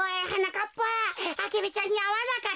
かっぱアゲルちゃんにあわなかったか？